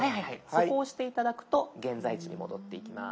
そこを押して頂くと現在地に戻っていきます。